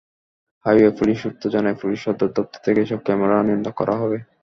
Highway police সূত্র জানায়, police সদর দপ্তর থেকে এসব ক্যামেরা নিয়ন্ত্রণ করা হবে।